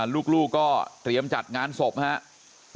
ลูกก็เตรียมจัดงานศพนะครับ